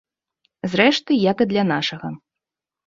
Зрэшты, як і для нашага.